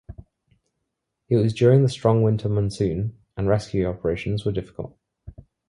It was during the strong winter monsoon and rescue operations were difficult.